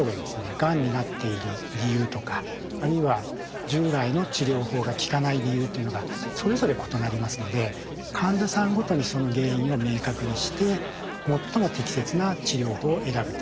がんになっている理由とかあるいは従来の治療法が効かない理由というのがそれぞれ異なりますので患者さんごとにその原因を明確にして最も適切な治療法を選ぶと。